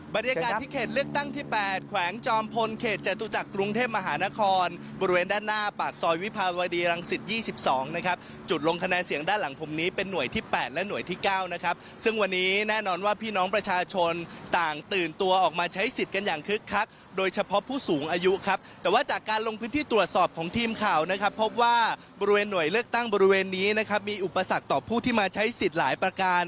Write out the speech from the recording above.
บรรยากาศที่เห็นเลือกตั้งที่๘แขวงจอมพลเขตจัตรุจักรกรุงเทพมหานครบริเวณด้านหน้าปากซอยวิภาวดีรังสิต๒๒นะครับจุดลงคะแนนเสียงด้านหลังผมนี้เป็นหน่วยที่๘และหน่วยที่๙นะครับซึ่งวันนี้แน่นอนว่าพี่น้องประชาชนต่างตื่นตัวออกมาใช้สิทธิ์กันอย่างคึกคักโดยเฉพาะผู้สูงอายุครับแต่ว่าจากก